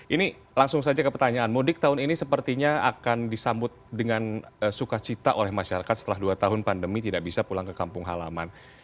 ini langsung saja ke pertanyaan mudik tahun ini sepertinya akan disambut dengan sukacita oleh masyarakat setelah dua tahun pandemi tidak bisa pulang ke kampung halaman